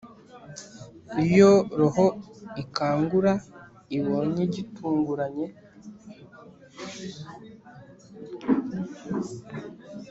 iyo roho ikangura ibonye gitunguranye